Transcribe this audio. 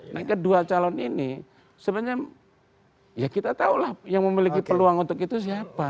nah kedua calon ini sebenarnya ya kita tahu lah yang memiliki peluang untuk itu siapa